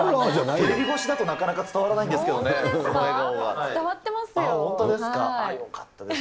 テレビ越しだとなかなか伝わらないんですけどね、この笑顔は。